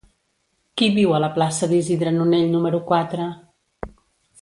Qui viu a la plaça d'Isidre Nonell número quatre?